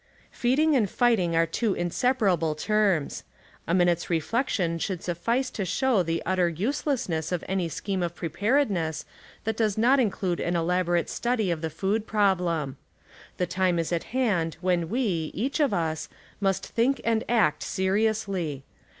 Feeding and fighting arc two inseparable terms. A minute's reflection should suffice to show the utter uselessness of any scheme of preparedness that does not include an elaborate study of the food problem. The time is at hand when we, each of us. must think and act seriously.